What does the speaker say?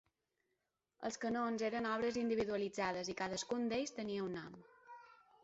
Els canons eren obres individualitzades i cadascun d'ells tenia un nom.